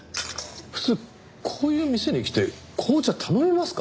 普通こういう店に来て紅茶頼みますか？